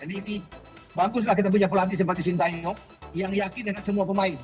ini baguslah kita punya pelatih seperti sintayong yang yakin dengan semua pemain